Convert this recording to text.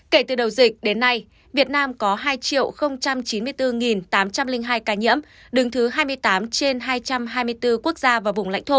kể từ đầu dịch đến nay việt nam có hai chín mươi bốn tám trăm linh hai ca nhiễm đứng thứ hai mươi tám trên hai trăm hai mươi bốn quốc gia và vùng lãnh thổ